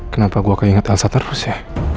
kenapa gue keinget elsa terus ya